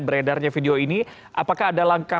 beredarnya video ini apakah ada langkah